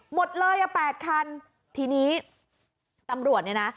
หมดเลยอ่ะแปดคันทีนี้ตำรวจเนี่ยนะ